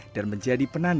dan menjadi penanggung